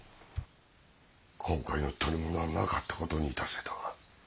今回の捕り物はなかったことにいたせとは。